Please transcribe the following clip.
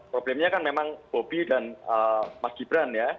problemnya kan memang bobi dan mas gibran ya